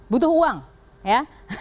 butuh uang ya